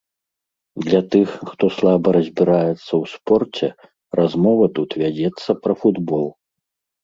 Для тых, хто слаба разбіраецца ў спорце, размова тут вядзецца пра футбол.